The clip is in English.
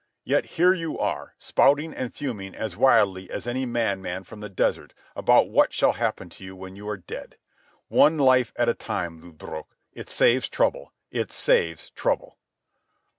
Yet here you are, spouting and fuming as wildly as any madman from the desert about what shall happen to you when you are dead. One life at a time, Lodbrog. It saves trouble. It saves trouble."